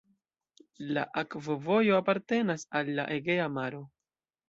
La akvovojo apartenas al la Egea Maro.